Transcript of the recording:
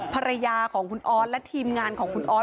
ภรรยาของคุณออสและทีมงานของคุณออส